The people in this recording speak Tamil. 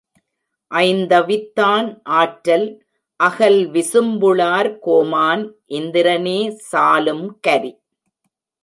ஐந்தவித்தான் ஆற்றல் அகல்விசும்புளார் கோமான் இந்திரனே சாலும் கரி.